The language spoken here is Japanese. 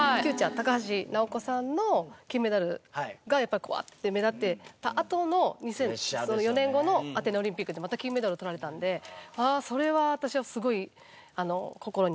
高橋尚子さんの金メダルがやっぱりワーッて目立ってたあとの４年後のアテネオリンピックでまた金メダルをとられたんでそれは私はすごい心に残ってるというか。